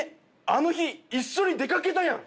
あの日一緒に出かけたやん！」